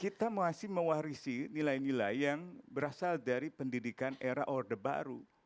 kita masih mewarisi nilai nilai yang berasal dari pendidikan era orde baru